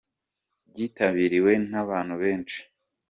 Byitabiriwe nabantu benshi